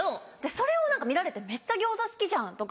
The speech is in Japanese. それを見られて「めっちゃ餃子好きじゃん」とか。